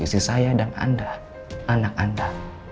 istri saya dan anda anak anda